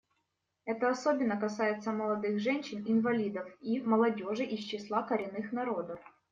Это особенно касается молодых женщин, инвалидов и молодежи из числа коренных народов.